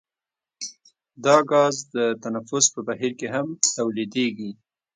دا غاز د تنفس په بهیر کې هم تولیدیږي.